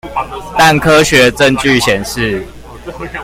但科學證據顯示